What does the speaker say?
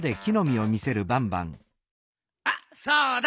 あっそうだ！